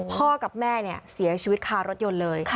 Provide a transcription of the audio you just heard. พ่อกับแม่เสียชีวิตคารถยนต์เลย